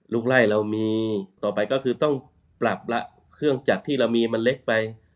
ไล่เรามีต่อไปก็คือต้องปรับละเครื่องจักรที่เรามีมันเล็กไป